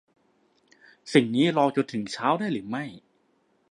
สิ่งนี้รอจนถึงเช้าได้หรือไม่